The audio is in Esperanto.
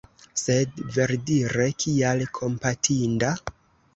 Sed, verdire, kial kompatinda?